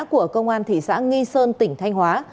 của công an thị xã nghi sơn tỉnh thanh hóa